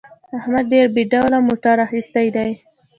احمد ډېر بې ډوله موټر اخیستی دی.